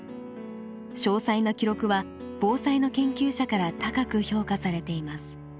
詳細な記録は防災の研究者から高く評価されています。